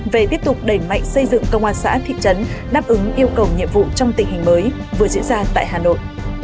về tiếp tục đẩy mạnh xây dựng công an xã thị trấn đáp ứng yêu cầu nhiệm vụ trong tình hình mới vừa diễn ra tại hà nội